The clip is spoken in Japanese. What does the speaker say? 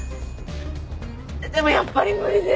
でもやっぱり無理です。